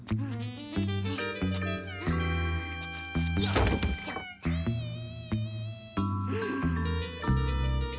よいしょっとふん。